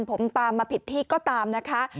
ผมตามมาผิดที่ก็ตามนะคะ